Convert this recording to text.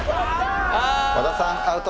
和田さんアウト！